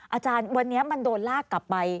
อาจารย์วันนี้มันโดนลากกลับไป